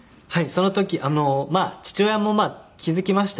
その時父親も気付きましたけど。